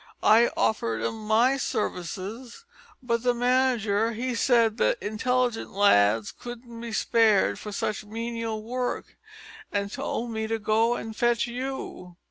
I offered 'em my services, but the manager he said that intelligent lads couldn't be spared for such menial work, and told me to go and fetch you."